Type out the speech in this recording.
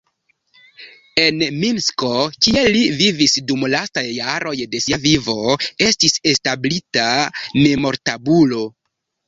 En Minsko, kie li vivis dum lastaj jaroj de sia vivo, estis establita memortabulo.